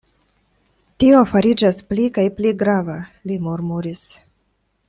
Tio fariĝas pli kaj pli grava, li murmuris.